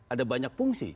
ada banyak fungsi